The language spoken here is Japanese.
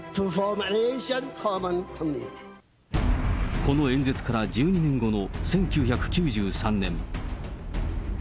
この演説から１２年後の１９９３年。